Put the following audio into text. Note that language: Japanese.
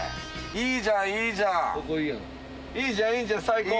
いいじゃんいいじゃん最高。